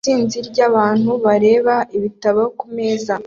Isinzi ryabantu bareba ibitabo kumeza